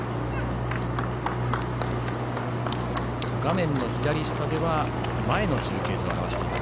画面の左下では前の中継所を映しています。